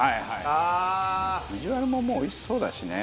ビジュアルももうおいしそうだしね。